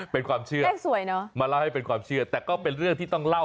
เป็นความเชื่อเนอะมาเล่าให้เป็นความเชื่อแต่ก็เป็นเรื่องที่ต้องเล่า